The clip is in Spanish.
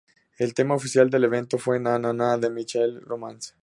El tema oficial del evento fue ""Na Na Na"" de My Chemical Romance.